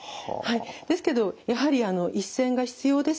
ですけどやはり一線が必要です。